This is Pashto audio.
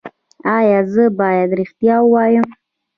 ایا زه باید ریښتیا ووایم؟